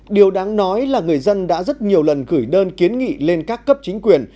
điều đáng nói là người dân đã rất nhiều lần gửi đơn kiến nghị lên các cấp chính quyền